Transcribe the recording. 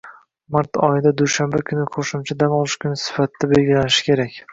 mart oyida dushanba kuni qo'shimcha dam olish kuni sifatida belgilanishi kerak